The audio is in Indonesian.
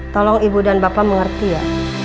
tolong ibu dan bapak mengerti ya